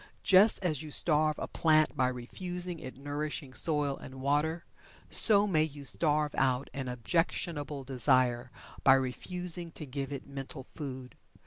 Just as you starve a plant by refusing it nourishing soil and water, so may you starve out an objectionable desire by refusing to give it mental food.